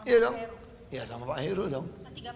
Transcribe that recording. iya dong ya sama pak heru dong